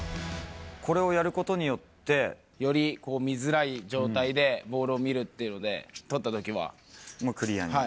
これをやることによって、より見づらい状態でボールを見るっていうんで、とったときはクリアになる。